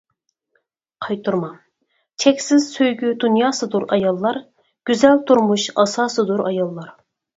قايتۇرما: چەكسىز سۆيگۈ دۇنياسىدۇر ئاياللار، گۈزەل تۇرمۇش ئاساسىدۇر ئاياللار.